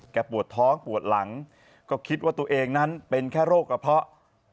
ปวดท้องปวดหลังก็คิดว่าตัวเองนั้นเป็นแค่โรคกระเพาะ